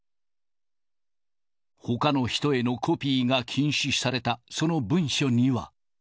ほかの人へのコピーが禁止された、その文書には。